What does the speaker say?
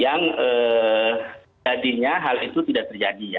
yang jadinya hal itu tidak terjadi ya